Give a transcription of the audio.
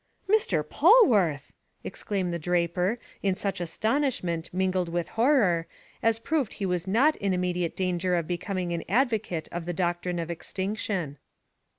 "Mr. Polwarth!" exclaimed the draper in such astonishment mingled with horror, as proved he was not in immediate danger of becoming an advocate of the doctrine of extinction.